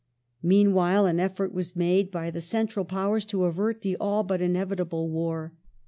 The Meanwhile, an effort was made by the central Powers to avert Vienna ^j^g q\\ ^^1 inevitable war.